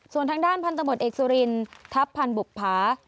ส่วนทางด้านพันธุ์ตำรวจเอกสุรินภ์ทัพพันธุ์บุปภาพ